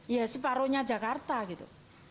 ya separohnya jakarta gitu